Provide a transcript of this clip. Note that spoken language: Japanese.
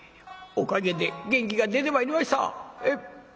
おかげで元気が出てまいりました。